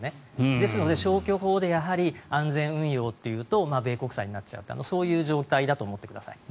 ですので、消去法でやはり安全運用というと米国債になっちゃうというそういう状態だと思ってください。